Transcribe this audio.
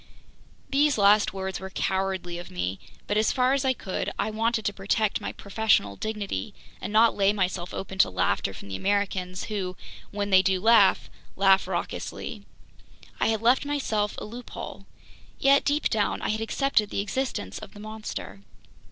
These last words were cowardly of me; but as far as I could, I wanted to protect my professorial dignity and not lay myself open to laughter from the Americans, who when they do laugh, laugh raucously. I had left myself a loophole. Yet deep down, I had accepted the existence of "the monster."